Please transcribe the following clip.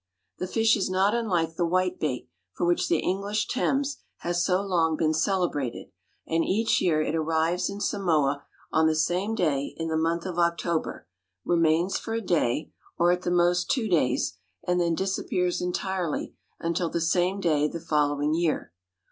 The fish is not unlike the whitebait for which the English Thames has so long been celebrated and each year it arrives in Samoa on the same day in the month of October, remains for a day, or at the most two days and then disappears entirely until the same day the following year.